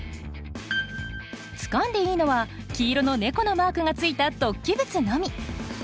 つかんでいいのは黄色の猫のマークがついた突起物のみ。